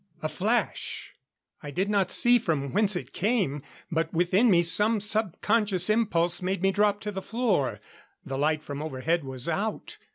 A flash! I did not see from whence it came; but within me some subconscious impulse made me drop to the floor. The light from overhead was out.